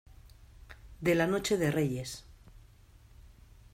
de la noche de Reyes.